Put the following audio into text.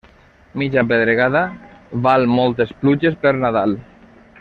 Mitja pedregada val moltes pluges per Nadal.